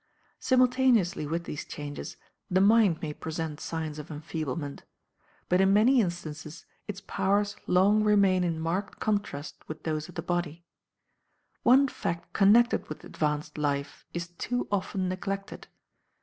Simultaneously with these changes the mind may present signs of enfeeblement; but in many instances its powers long remain in marked contrast with those of the body. One fact connected with advanced life is too often neglected.